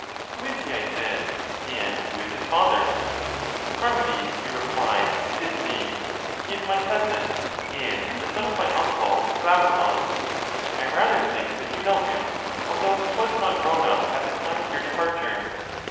Who is he, I said; and who is his father? Charmides, he replied, is his name ; he is my cousin, and the son of my uncle Glaucon: I rather think that you know him, although he was not grown up at the time of your departure.